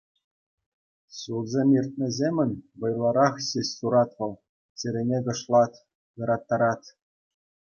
Ҫулсем иртнӗҫемӗн вӑйлӑрах ҫеҫ сурать вӑл, чӗрене кӑшлать, ыраттарать.